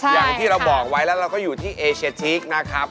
อย่างที่เราบอกไว้แล้วเราก็อยู่ที่เอเชียทีกนะครับ